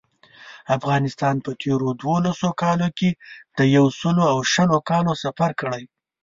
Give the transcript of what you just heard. افغانستان په تېرو دولسو کالو کې د یو سل او شلو کالو سفر کړی.